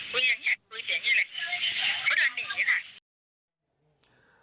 คุยยังอย่างนี้คุยเสียงอย่างนี้เลยเขาเดินหนีนี่แหละ